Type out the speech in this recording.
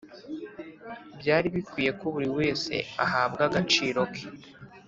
byari bikwiye ko buri wese ahabwa agaciro ke,